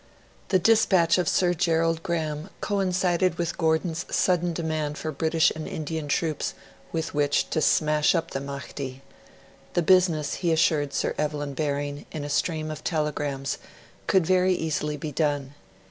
The dispatch of Sir Gerald Graham coincided with Gordon's sudden demand for British and Indian troops with which to 'smash up the Mahdi'. The business, he assured Sir Evelyn Baring, in a stream of telegrams, could very easily be done.